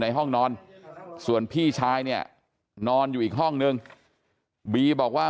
ในห้องนอนส่วนพี่ชายเนี่ยนอนอยู่อีกห้องนึงบีบอกว่า